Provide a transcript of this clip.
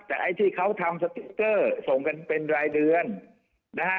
แต่ไอ้ที่เขาทำสติ๊กเกอร์ส่งกันเป็นรายเดือนนะฮะ